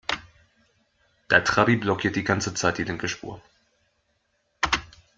Der Trabi blockiert die ganze Zeit die linke Spur.